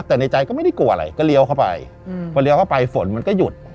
แต่ในใจก็ไม่ได้กลัวอะไรก็เลี้ยวเข้าไปพอเลี้ยวเข้าไปฝนมันก็หยุด